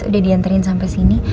udah dianterin sampe sini